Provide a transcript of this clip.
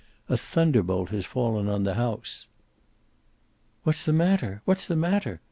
A thunderbolt has fallen on the house." "What's the matter what's the matter?"